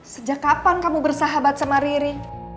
sejak kapan kamu bersahabat sama riri